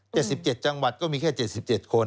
๗๗จังหวัดก็มีแค่๗๗คน